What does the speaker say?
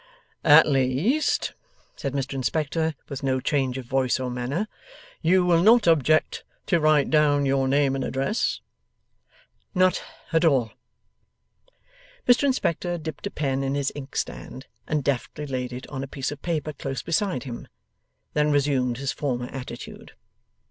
'At least,' said Mr Inspector, with no change of voice or manner, 'you will not object to write down your name and address?' 'Not at all.' Mr Inspector dipped a pen in his inkstand, and deftly laid it on a piece of paper close beside him; then resumed his former attitude.